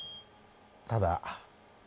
ただ。